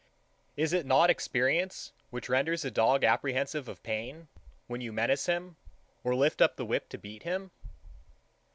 Is it not experience, which renders a dog apprehensive of pain, when you menace him, or lift up the whip to beat him?